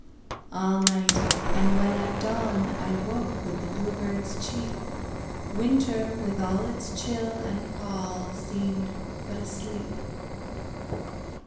All night and when at dawn I woke with the blue bird's cheep, Winter with all its chill and pall Seemed but a sleep.